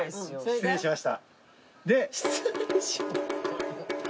失礼しました。